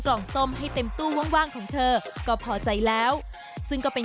กล่องส้มให้เต็มตู้ว่างว่างของเธอก็พอใจแล้วซึ่งก็เป็น